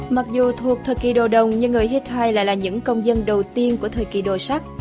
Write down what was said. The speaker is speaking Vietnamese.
mặc dù thuộc thời kỳ đồ đồng nhưng người hittai lại là những công dân đầu tiên của thời kỳ đồ sắc